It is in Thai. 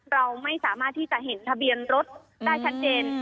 เราไม่สามารถที่จะเห็นทะเบียนรถได้ชัดเจน